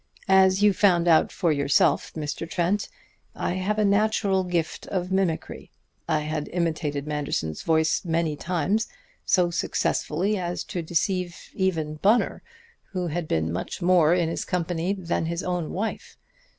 "As you found out for yourself, Mr. Trent, I have a natural gift of mimicry. I had imitated Manderson's voice many times so successfully as to deceive even Bunner, who had been much more in his company than his own wife.